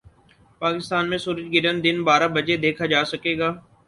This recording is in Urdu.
پاکستان میں سورج گرہن دن بارہ بجے دیکھا جا سکے گا